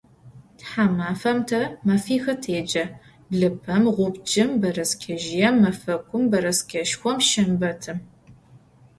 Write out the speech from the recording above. Themafem te mefixe têce: blıpem, ğubcım, bereskezjıêm, mefekum, bereskeşşxom, şşembetım.